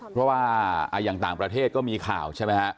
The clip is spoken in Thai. เพราะว่าอย่างต่างประเทศก็มีข่าวใช่ไหมฮะ